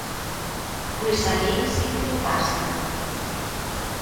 Pois a min si que me pasa.